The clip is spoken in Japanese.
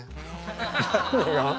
何が？